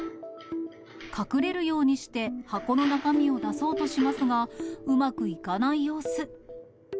隠れるようにして箱の中身を出そうとしますが、うまくいかない様子。